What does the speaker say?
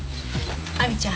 亜美ちゃん